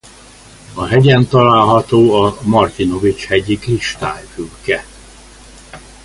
A hegyen található a Martinovics-hegyi-kristályfülke.